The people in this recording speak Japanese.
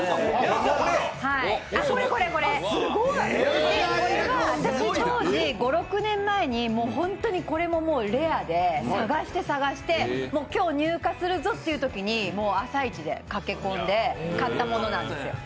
これこれこれ、これは私、当時５６年前に本当に、これレアで、探して、探して今日、入荷するぞっていうときに朝イチで駆け込んで買ったものなんですよ。